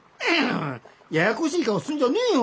ややこしい顔するんじゃねえよ。